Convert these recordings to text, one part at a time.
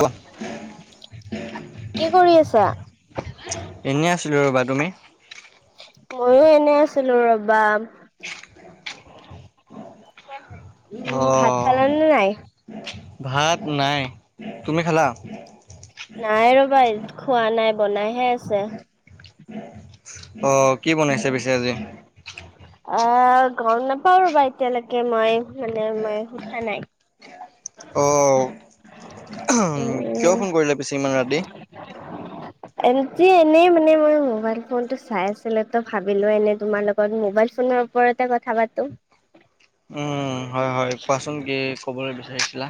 কোৱা কি কৰি আছা ছিলোঁ ৰ'বা তুমি ময়ো এনে আছিলো ৰবা উম ভাত অ' খালানে নাই ভাত নাই তুমি খালা নাই ৰবা খোৱা নাই বনাইহে আছে অ কি বনাইছে পিছে আজি অহ গম নাপাওঁ ৰবা এতিয়ালৈকে মই মানে মই সোধা নাই অহ কিয় উম, ফোন কৰিলা পিছে ইমান ৰাতি আনিতো এনেই মানে মই মোবাইল ফোন টো চাই আছিল তো ভাবিলো এনে তোমাৰ লগত মবাইল চুনৰ ওপৰত এটা কথা পাতো কোন কে ক'বলৈ বিচাৰিছিলা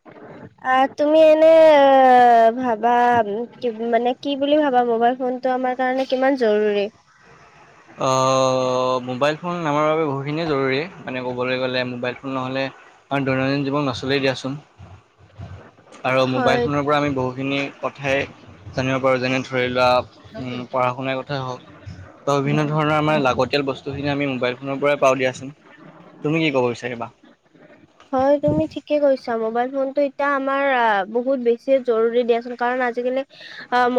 হয় অ তুমি এনে অ ভাবা কি মানে কি বুলি ভাবা মোবাইল ফোনটো আমাৰ কাৰণে কিমান জৰুৰী অঅ মোবাইল ফোন আমাৰ বাবে বহুখিনিয়ে জৰুৰী মানে ক'বলে গ'লে মোবাইল ফোন নহ'লে অ দৈনন্দিন জীৱন নচলেই দিয়াচোন আৰু মোবাইল হয় ফোনৰ পৰা আমি বহুখিনি কথাই জানিব পাৰো যেনে ধৰি ল হ [unintelligible] তেনে ধৰণৰ আমাৰ লাগতিয়াল বস্তুখিনি আমি মোবাইল ফনৰ পৰাই পাও দিয়াচোন তুমি কি ক'ব বিচাৰিবা হয় তুমি ঠিকে কৈছ ছা মবাইল ফোনটো এতিয়া আমাৰ বহুত বেছি জৰুৰী দিয়াচোন কাৰণ আজিকালি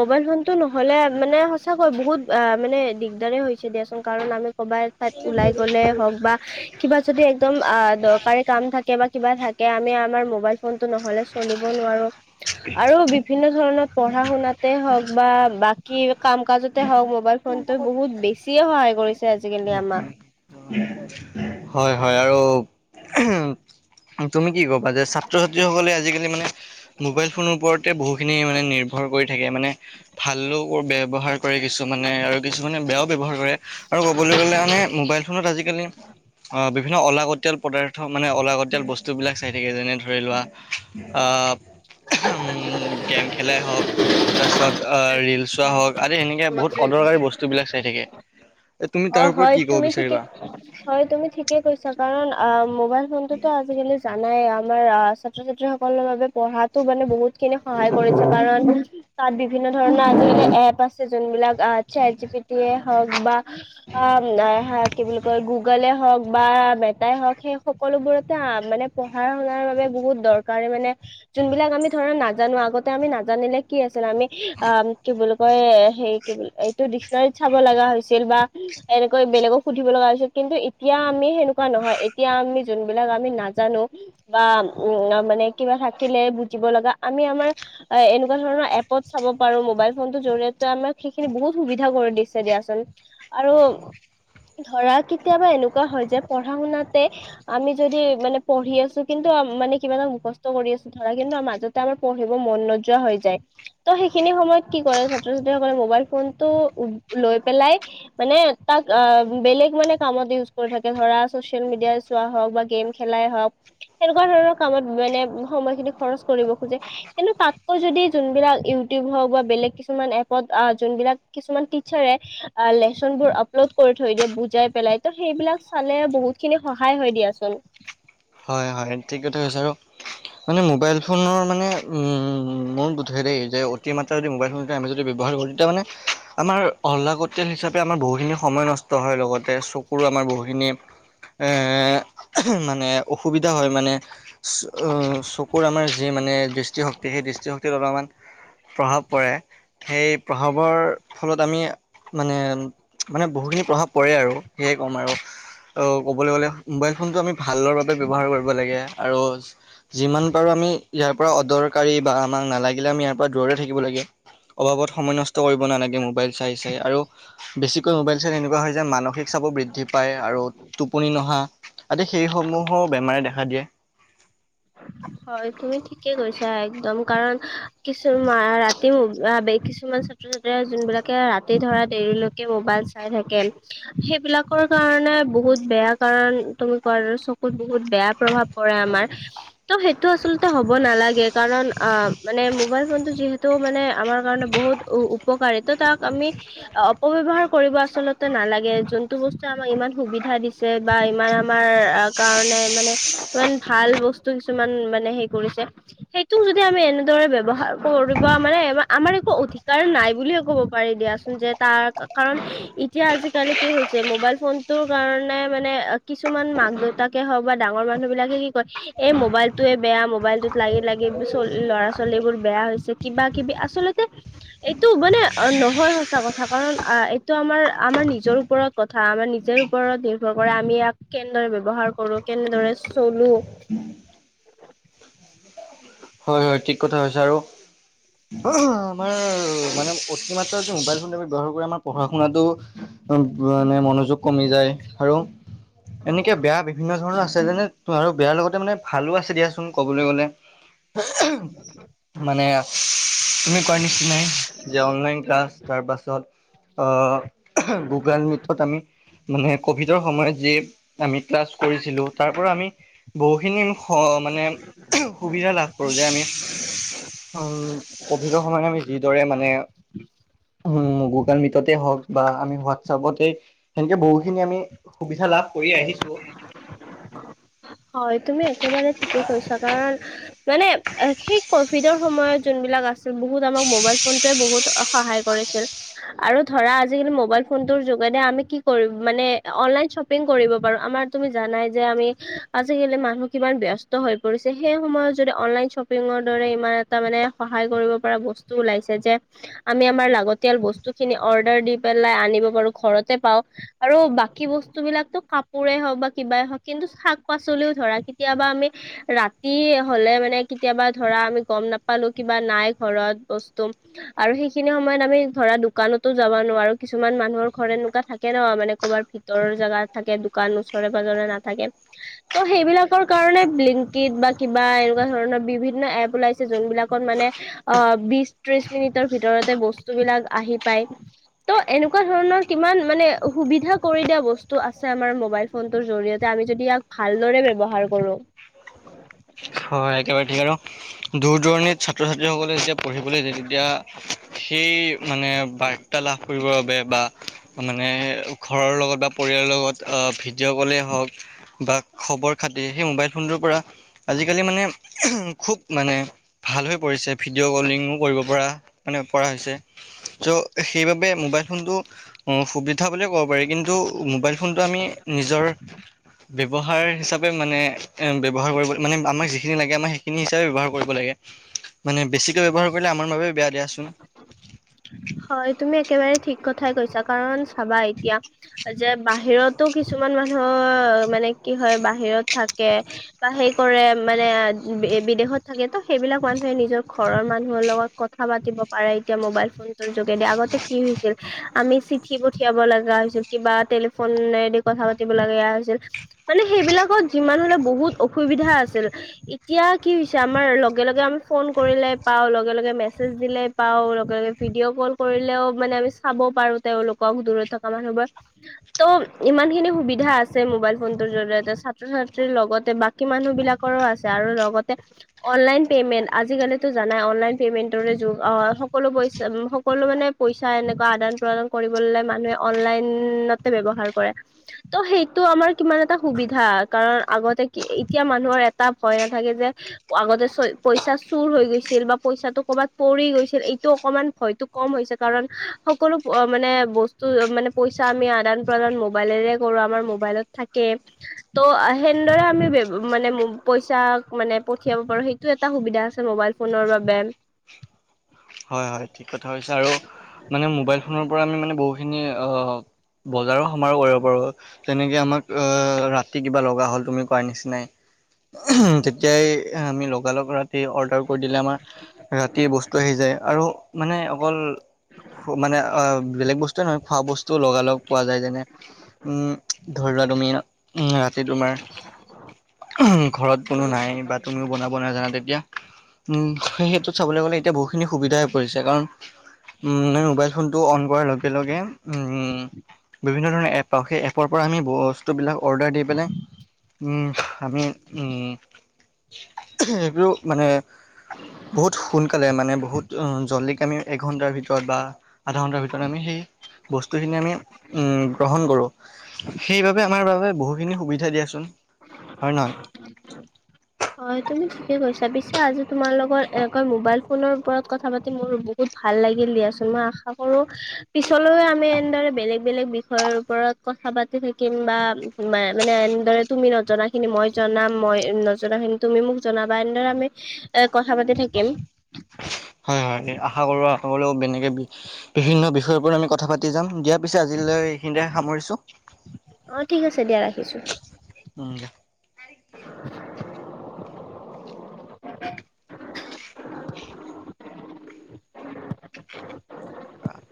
মবাইল ফোন টো নহলে মানে সঁচাকৈ বহুত অ মানে দিগদাৰে হৈছে দিয়াচোন কাৰণ আমি কবা এঠাত ওলাই গ'লে হওক বা কিবা যদি একদম আ দৰকাৰে কাম থাকে বা কিবা থাকে আমি আমাৰ মোবাইল ফোন টো নহলে চলিব নোৱাৰো আৰু বিভিন্ন ধৰণৰ পঢ়া শুনাতে হওক বা বাকী কাম কাজতে হওক মোবাইল ফোনটো বহুত বেছিয়ে সহায় কৰিছে আজিকালি আমাক হয় হয় আৰু উ তুমি কি ক'বা যে ছাত্ৰ ছাত্ৰী সকলে আজিকালি মানে মোবাইল ফোনৰ ওপৰতে বহু খিনি মানে নিৰ্ভৰ কৰি থাক থাকে মানে ভালো ব্যৱহাৰ কৰে কিছুমানে আৰু কিছুমানে বেয়াও ব্যৱহাৰ কৰে আৰু ক'বলৈ গ'লে মানে মোবাইল ফোনত আজিকালি অ বি বিভিন্ন অলাগতীয়াল পদাৰ্থ মানে অলাগতীয়াল বস্তুবিলাক চাই থাকে যেনে ধৰি লোৱা আ উম গেম খেলাই হওক তাৰ পিছত ৰিল চোৱা হওক সেনেকে বহুত অদৰকাৰী বস্তু বিলাক চাই থাকে তুমি অ তাৰ ওপৰত হয় কি ক'ব তুমি ঠিকে বিচাৰিবা? হয় তুমি ঠিকে কৈছা কাৰণ আ মবাইল ফন ফোনটোত আজিকালি যা নাই আমাৰ আহ ছাত্ৰ ছাত্ৰী সকলৰ বাবে পঢ়াতো মানে বহুত খিনি সহায় কৰিছে কাৰণ তাত বিভিন্ন ধৰণৰ আজিকালি এপ আছে যোনবিলাক চেট জি পি টিয়ে হওক বা অ কি বুলি কয় গুগলে হও হওক বা মেটাই হওক সেই সকলোবোৰতে মানে পঢ়া শুনাৰ বাবে বহুত দৰকাৰ মানে যোনবিলাক আমি ধৰা নাজানো আগতে আমি নাজানিলে কি আছিল আমি আ কি বুলি কয় সেই কি বুলি এইটো ডিচনেৰীত চাব লাগা হৈছে বা এনেকৈ বেলেগক সুধিব লগা হৈছিল কিন্তু এতিয়া আমি সেনেকুৱা নহয় এতিয়া আমি যোনবিলাক নাজানো বা উম মানে কিবা থাকিলে বুজিব লগা আমি আমাৰ এনেকুৱা ধৰণৰ এপত চাব পাৰো মোবাইল ফোনটোৰ জৰিয়তে আমাক সেইখিনি বহুত সুবিধা কৰি দিছে দিয়াচোন। আৰু ধৰা কেতিয়াবা এনেকুৱা হয় যে পঢ়া শুনাতে আমি যদি মানে পঢ়ি আছো কিন্তু মানে কিবাটা মুখস্থ কৰি আছো ধৰা কিন্তু মাজতে আমাৰ পঢ়িব মন নোযোৱা হৈ যায় ত সেইখিনিাা স সময়ত কি কৰে ছাত্ৰ ছাত্ৰীসকলে মোবাইল ফোন টো লৈ পেলাই মানে তাক অ', বেলেগ মানে কামত ইউজ কৰি থাকে ধৰা ছচিয়েল মিডিয়াই চোৱা হওঁক বা-া খেলাই হওঁক সেনেকুৱা ধৰণৰ কামত মানে সময় খিনি খৰচ কৰিব খোজে কিন্তু তাতকৈ যদি যোনবিলাক ইউটিউব হওঁক বা বেলেগ কিছুমান এপত যোনবিলাক কিছুমান টিচাৰে আ লেচন বোৰ আপলোড কৰি থৈ দিয়ে বুজাই পেলাই ত' সেইবিলাক চালে বহুত খিনি সহায় হয় দিয়াচোন। [inaudible] হয় হয় ঠিক কথা কৈছ আৰু মানে মোবাইল ফোনৰ মানে উম মোৰো বোধে দেই যে অতি মাত্ৰা যদি মোবাইল ফোন আমি যদি ব্যৱহাৰ কৰো তেতিয়া মানে আমাৰ অহ্লাক কটয়েল হিচাপে আমাৰ বহুখিন সময় নষ্ট হয় লগতে চকুৰ আমাৰ বহুখিনি মানে। অসুবিধা হয় মানে চকুৰ আমাৰ যি মানে দৃষ্টিশক্তি সেই দৃষ্টিশক্তিত অলপমান প্ৰভাৱ পৰে সেই প্ৰভাৱৰ ফলত আমি মানে মানে বহুত প্ৰভাৱ পৰে আৰু সেয়ে ক'ম আৰু, মোবাইল ফোনটো আমি ভাল ব্যৱহাৰ কৰিব লাগে আৰু যিমান পাৰো আমি ইয়াৰ পৰা অদৰকাৰী বা আমাক নালাগিলে আম ইয়াৰ পৰা দূৰতে থাকিব লাগে। অভাৱত সময় নষ্ট কৰিব নালাগে মোবাইল চাই চাই আৰু বেছিকৈ মোবাইল চাই তেনেকুৱা যে মানসিক চাপো বৃদ্ধি পায় আৰু টোপনি নহা আদি সেইসমূহ বেমাৰে দেখা দিয়ে। উ। হয় তুমি ঠিকে কৈছা একদম কাৰণ কিছুমান ৰাতি কিছুমান ছাত্ৰ ছাত্ৰী যোনবিলাকে ৰাতি ধৰা দেৰিলৈকে মোবাইল চাই থাকে সেইবিলাকৰ কাৰণে বহুত বেয়া কাৰণ তুমি কোৱা চকুত বহুত বেয়া প্ৰভাৱ পৰে আমাৰ। ত', সেইটো আচলতে হ'ব নালাগে কাৰণ অ', মানে মোবাইল ফোন টো যিহেতু মানে আমাৰ কাৰণে বহুত উপকাৰিত ত তাক আমি অপব্যৱহাৰ কৰিব আচল্ততে নালাগে যোনতটো বস্তু আাক ইমান সুবিধা দিছে বা ইমান আমাৰ কাৰণে মানে ইমান ভাল বস্তু কিছুমান মানে হে কৰিছে সেইটো যদি আমি এনেদৰে ব্যৱহাৰ কৰিব মানে আমাৰ এক অধিকাৰ নাই বুলে ক'ব পাৰি দিয়াচোন যে তাৰ কাৰণ এতিয়া আজিকালি কি হৈছে ম মোবাইল ফোনটোৰ কাৰণে মানে কিছুমান মাক দেউতাকে হওঁক বা ডাঙৰ মানুহ বিলাকে কি কয় এই মোবাইলটোৱে বেয়া মোবাইলটোত লাগি লাগি ল'ৰা ছোৱালীবোৰ বেয়া হৈছে কিবা কিবি আচলতে এইটো মানে নহয় সঁচা কথা কাৰণ আহ এইটো আমাৰ আমাৰ নিজৰ ওপৰত কথা। আমাৰ নিজৰ ওপৰত নিৰ্ভৰ কৰে আমি ইয়াক কেনেদৰে ব্যৱহাৰ কৰো কেনেদৰে চলো হয় হয় ঠিক কথা হৈছে, আৰু আমাৰ মানে অতিমাত্ৰা যে মোবাইল ফোনটো আমি ব্যৱহাৰ আমাৰ পঢ়া শুনাতো উ মানে মনোযোগ কমি যায় আৰু এনেকে বেয়া বিভিন্ন ধৰণৰ আছে যেনে আৰু বেয়াৰ লগতে মানে ভালো আছে দিয়াচোন ক'বলৈ গ'লে মানে তুমি কোৱাৰ নিচিনাই যে অনলাইন ক্লাছ তাৰ পাছত আহ গুগল মিটত আমি মানে কভিডৰ সময়ত যি আমি ক্লাছ কৰিছিলো তাৰ পৰা আমি বহুখিনি মানে সুবিধা লাভ কৰো যে আমি উম কভিডৰ সময়ত আমি যিদৰে মানে উম গুগল মিটতে হওক বা আমি হোৱাটছপতে সেনেকে বহুখিনি আমি সুবিধা লাভ কৰি আহিছো। হয় তুমি একেবাৰে ঠিকে কৈছা কাৰণ মানে সেই কভিডৰ সময়ত যোন বহুত আমাৰ মোবাইল ফোনটোৱে বহুত সহায় কৰিছে আৰু ধৰা মোবাইল ফোনটো যোগে আমি কি মানে অনলাইন শ্বপিং কৰিব পাৰো আমাৰ তুমি জানাই যে আমি আজিকালি মানুহ কিমান ব্যস্ত হৈ পৰিছে সেই সময়ত যদি অনলাইন শ্বপিঙৰ দৰে ইমান এটা মানে স [unintelligible] বাৰু ঘৰতে পাও আৰু বাকী বস্তু বিলাকতো কাপোৰে হওঁক বা কিবাই হওক কিন্তু াক পাচলিও ধৰা কেতিয়াবা আমি ৰাতি হলে মানে কেতিয়াবা ধৰা আমি গম নাপালো নৰত বস্তু আৰু সেইখিনি সময়ত আমি ধৰা দোকানতো যাব নোৱাৰো কিছুমান ম মানুহৰ ঘৰে এনেকুৱা থাকে ন মানে ক'ৰবাৰ ভিতৰৰ জাগগাত থাকে দোকান ওচৰে পাজৰে নাথাকে ত' সেইবিলাকৰ কাৰণে লিংক ইড বা কিবা এনেকুৱা ধৰণৰ বিভিন্ন এপ ওলাইছে যোনবিলাকত মানে বিশ ত্ৰিশ মিনিটৰ ভিতৰতে বস্তু বিলাক আহি পায় ত এনেকুৱা ধৰণৰ কিমান মানে সুবিধা কৰি দিয়া বস্তু আছে আমাৰ মোবাইল ফোনটোৰ জৰিয়তে আমি যদি ইয়াক ভালদৰে ব্যৱহাৰ কৰোঁ হয় একেবাৰে ঠিক আৰু দূৰ দূৰণিত ছ্ৰীসকলে যেতিয়া পঢ়িবলৈ যায় তেতিয়া সেই মানে বাৰ্তা লাভ কৰিবৰ বাবে বা মানে ঘৰৰ লগত বা পৰিয়ালৰ লগত ভিডিঅ' কলেই হওক বা খবৰ খাতি সেই মোবাইল ফোনটো পৰা আজিকালি মানে খুব মানে ভাল হৈ পৰিছে ভিডিঅ' কলিঙো কৰিব পৰা মানে কৰা হৈছে চ' সেইবাবে মব ম ব্য্ৱহাৰ হিচাপে মানে এ ব্য্ৱহাৰ কৰিব মানে আমাক যিখিনি লাগে আমাৰ সেইখিনি হিচাপে ব্যৱহাৰ কৰিব লাগে মানে বেছিকে ব্যৱহাৰ কৰিলে আমাৰ বাবে বেয়ািয়া আছোন না [unintelligible] হয় তুমি একেবাৰে ঠিক কথাই কৈছা কাৰণ চাবা এতিয়া যে বাহিৰতো কিছু কিছুমান মানুহ মানে কি হয় বাহিৰত থাকে বা সেই কৰে মানে বিদেশত থাকে তো সেইবিলাক মানুহে নিজৰ ঘৰৰ মানুহৰ লগত কথা পাব পাৰে এতিয়া মোবাইল ফোন যোগেদি আগতে কি হৈছিল আমি চিঠি পঠিয়াব লগা হৈছিল কিবা টেলিফোনেদি ক কথা পাতিব লগীয়া হৈছিল মানে সেইবিলাকত যিমান হলে বহুত অসুবিধা আছিল এতিয়া কি হৈছে আমাৰ লগে লগে আমি ফোন কৰিলে পাও লগে লগে মেছেজ দিলে পাওঁ লগে লগে ভিডিঅ' কল কৰিলেও মানে আমি চাব পাৰো তেওঁলোকক দূ থকা মানুহবোৰ ত ই ইমানখিনি সুবিধা আছে মোবাইল ফোনটোৰ জৰিয়তে ছাত্ৰ ছাত্ৰীৰ লগতে বাকী মানুহবিলাকৰো আছে আৰু [unintelligible] সকলো মানে পইচা এনেকুৱা আদান প্ৰদান কৰিবলে মানুহে অনলাইনতে ব্য়ৱহাৰ কৰে ত সেইটো আমাৰ কিমান এটা সুবিধা কাৰণ আগতে এতিয়া মানুহৰ এটা ভয় না থাকে যে আগতে পইচা চুৰ হৈ গৈছিল বা পইচাটো কৰ'ৰবাত পৰি গৈছিল এইটো অকমান ভয়তো কম হৈছে কাৰণ সকলো মানে বস্তু মানে পইচা আমি আদান প্ৰদান ম মে পঠিয়াব পাৰো সেইটো এটা সুবিধা আছে মবাইল ফোনৰ বাবে হয় হয় ঠিক কথা হৈছে আৰু মানে মোবাইল ফোনৰ পৰা আমি মানে বহুখিনি অ বজাৰো সমাৰো কৰিব পাৰো তেনেকে আমাক অ ৰাতি কিবা লগা হ'ল তুমি কোৱাৰ নিচিনাই উ তেতিয়াই আমি লগাল লগ ৰা স অৰ্ডাৰ কৰি দিলে আমাৰ ৰাতি বস্তু আহি যায় আৰু মানে অকল উ মানে অ বেলেগ বস্তুৱে নহয় খোৱা বস্তুও লগালগ পোৱা যায় যেনে উম ধৰি লোৱা তম ৰাতি তোমাৰ ঘৰত কোনো নাই বা তুমিও বনাব নাজানা তেতিয়া উম সেই ক্ষেত্ৰত চাবলৈ গ'লে এতিয়া বহুতখিনি সুবিধাই হৈ পৰিছে কাৰণ উ মোবাইল ফোনটো অন কৰাৰ লগে লগে উম বিভিন্ন ধৰণৰ এপ পাওঁ সেই এপৰ পৰা আমি বস্তুবিলাক অৰ্ডাৰ দি পেলাই উ আমি এইবোৰ মানে বহুত সোনকালে মানে বহুত জল্লিক আমি এঘণ্টাৰ ভিতৰত বা আধা ঘণ্টাৰ ভিতৰত আমি সেই বস্তুখিনি আমি উম গ্ৰহণ কৰো সেইবাবে আমাৰ বাবে বহুখিনি সুবিধা দিয়াচোন হয় নহয় হয় তুমি ঠিক কৈছা পিছো আজি তোমাৰ লগত এনেকৈ মোবাইল ফোনৰ ওপৰত কথা পাতি মোৰ বহুত। ভাল লাগিল দিয়াচোন মই আশা কৰো পিছলৈও আমি এনেদৰে বেলেগ বেলেগ বিষয়ৰ ওপৰত ক কথা পাতি থাকিম বা মানে এনেদৰে তুমি নজনা খিনি মই জনাম মই নজ তুমি মোক জনাবা, এনেদৰে আমি এ কথা পাতি থাকিম। হয় হয়, আশা কৰো আগলেও এনেকে বিভিন্ন বিষয়ৰ ওপৰত আমি কথা পাতি যাম। দিয়া পিছে আজিলৈ এইখিনিৰে সামৰিছোঁ। অ ঠিক আছে দিয়া ৰাখিছোঁ। উম, দিয়া। [inaudible] [inaudible] আ।